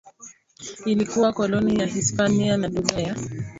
ilikuwa koloni la Hispania na lugha ya